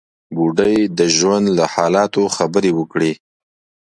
بوډۍ د ژوند له حالاتو خبرې وکړې.